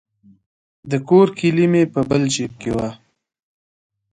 د کور کیلي مې په بل جیب کې وه.